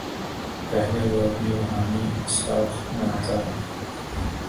پہلے وہ اپنی روحانی ساکھ بناتا ہے۔